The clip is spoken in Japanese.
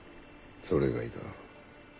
それがいかん。